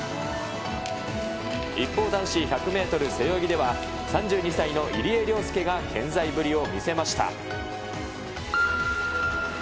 一方、男子１００メートル背泳ぎでは、３２歳の入江陵介が健在ぶりを見せました。